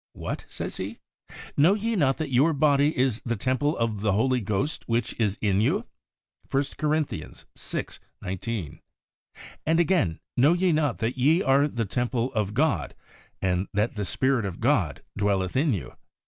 ' What !' says he, ' know ye not that your body is the temple of the Holy Ghost which is in you ?' (i Cor. vi. 19). And again, 'Know ye not that ye are the temple of God, and that the Spirit of God dwelleth in you